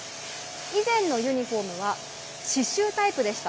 以前のユニホームは、刺しゅうタイプでした。